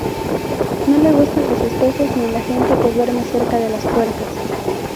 No le gustan los espejos ni la gente que duerme cerca de las puertas.